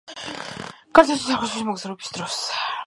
გარდაიცვალა საქართველოში მოგზაურობის დროს.